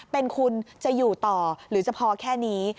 เป็นคุณจะอยู่ต่อหรือจะพอแค่นี้